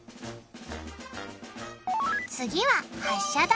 次は発射台。